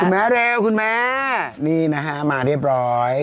แม่เร็วคุณแม่นี่นะฮะมาเรียบร้อย